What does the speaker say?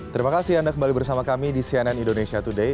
terima kasih anda kembali bersama kami di cnn indonesia today